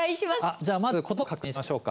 じゃあまず言葉を確認しましょうか。